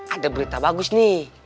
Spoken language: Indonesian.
ada berita bagus nih